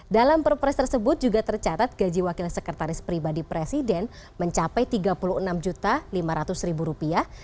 dalam perpres tersebut juga tercatat gaji wakil sekretaris pribadi presiden mencapai tiga puluh enam lima ratus rupiah